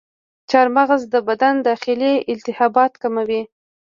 چارمغز د بدن داخلي التهابات کموي.